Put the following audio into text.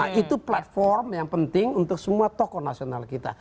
jadi itu platform yang penting untuk semua tokoh nasional kita